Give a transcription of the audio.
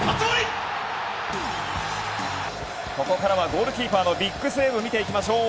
ここからはゴールキーパーのビッグセーブを見ていきましょう。